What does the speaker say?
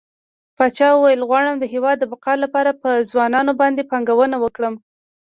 پاچا وويل غواړم د هيواد د بقا لپاره په ځوانانو باندې پانګونه وکړه.